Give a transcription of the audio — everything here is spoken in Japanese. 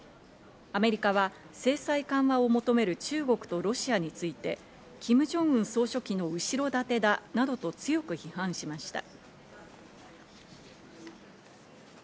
アメリカは制裁緩和を求める中国とロシアについて、キム・ジョンウン総書記の後ろ盾だなどと強く批判しました。